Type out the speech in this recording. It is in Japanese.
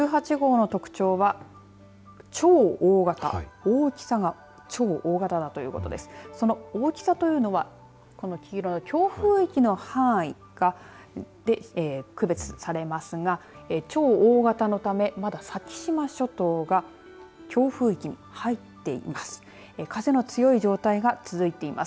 その大きさというのは黄色い強風域の範囲で区別されますが超大型のためまだ、先島諸島が強風域に入っています。